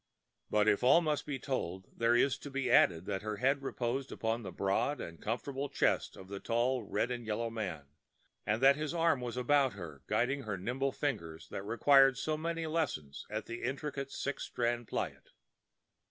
But if all must be told, there is to be added that her head reposed against the broad and comfortable chest of a tall red and yellow man, and that his arm was about her, guiding her nimble fingers that required so many lessons at the intricate six strand plait.